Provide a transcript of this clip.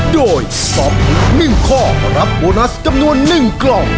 โดยตอบถูก๑ข้อรับโบนัสจำนวน๑กล่อง